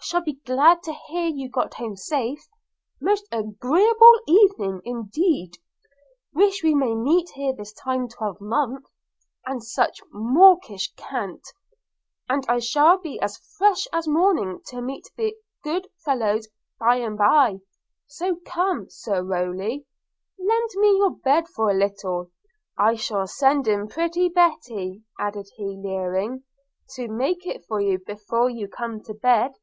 – shall be glad to hear you got home safe! – most agreeable evening indeed! – wish we may meet here this time twelvemonth!' – and such mawkish cant; and I shall be as fresh as morning to meet the good fellows by and by – So, come, Sir Rowly, lend me your bed for a little. I'll send in pretty Betty,' added he leering, 'to make it for you before you come to bed.'